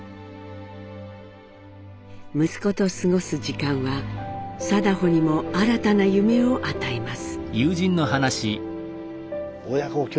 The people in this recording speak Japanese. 息子と過ごす時間は禎穗にも新たな夢を与えます。